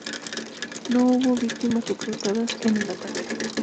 No hubo víctimas reportadas en el ataque.